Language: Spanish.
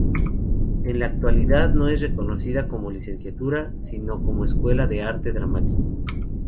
En la actualidad no es reconocida como licenciatura sino como escuela de arte dramático.